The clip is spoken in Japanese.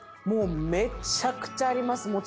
もうめちゃくちゃあります。